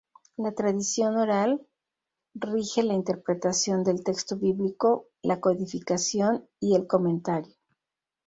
La tradición oral rige la interpretación del texto bíblico, la codificación y el comentario.